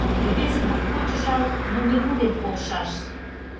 Рвезе моткоч жал, но нимо дене полшаш.